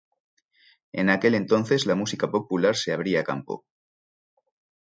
En aquel entonces la música popular se abría campo.